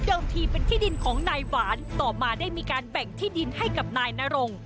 ทีเป็นที่ดินของนายหวานต่อมาได้มีการแบ่งที่ดินให้กับนายนรง